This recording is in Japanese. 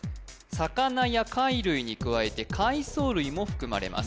魚や貝類に加えて海藻類も含まれます